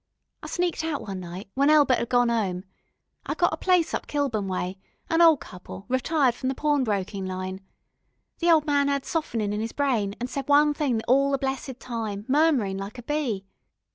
I sneaked out one night, when Elbert 'ad gone 'ome. I got a place up Kilburn way, an ol' couple, retired from the pawnbrokin' line. The ol' man 'ad softening in 'is brain, an' said one thing all the blessed time, murmurin' like a bee.